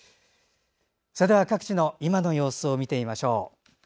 それでは各地の今の様子を見てみましょう。